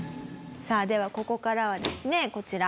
ではここからはですねこちら。